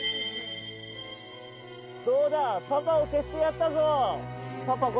どうだパパを消してやったぞ。